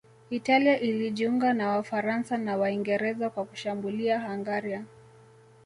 Italia ilijiunga na Wafaransa na Waingereza kwa kushambulia Hungaria